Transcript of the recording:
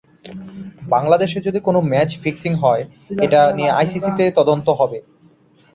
বাংলাদেশে যদি কোনো ম্যাচ ফিক্সিং হয়, এটা নিয়ে আইসিসিতে তদন্ত হবে।